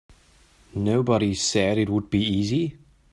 Nobody said it would be easy.